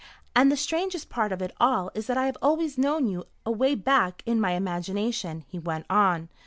"And the strangest part of it all is that I have always known you away back in my imagination," he went on.